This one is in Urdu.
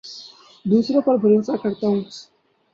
دوسروں پر بھروسہ کرتا ہوں